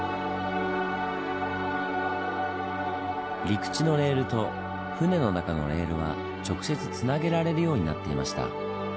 陸地のレールと船の中のレールは直接つなげられるようになっていました。